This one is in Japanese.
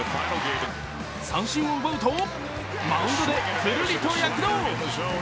三振を奪うとマウンドでくるりと躍動。